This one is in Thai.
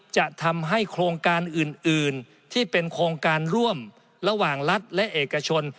จะทำให้โครงการอื่นที่เป็นโครงการร่วมระหว่างรัฐและเอกชน